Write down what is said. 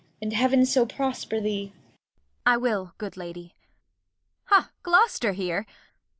And Heav'n so prosper thee. Kent. I will, good Lady. Ha, Gloster here!